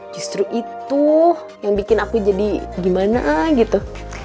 justru itu yang bikin aku jadi gimana gitu